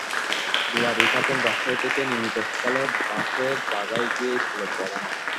দুলারী খাতুন রাজশাহী থেকে নিয়মিত সকালে বাসে বাঘায় গিয়ে স্কুলে পড়ান।